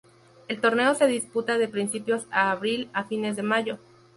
El torneo se disputa de principios a abril a fines de mayo.